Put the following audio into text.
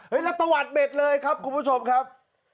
แล้วตะวัดเบ็ดเลยครับคุณผู้ชมครับ